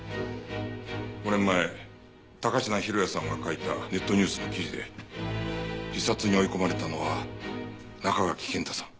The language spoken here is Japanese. ５年前高階浩也さんが書いたネットニュースの記事で自殺に追い込まれたのは中垣健太さん。